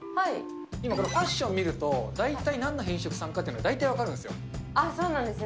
今、これファッション見ると、大体、なんの偏食さんかっていうのが大あ、そうなんですね。